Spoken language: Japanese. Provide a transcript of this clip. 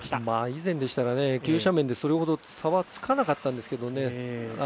以前でしたら急斜面でそれほど差はつかなかったんですけど。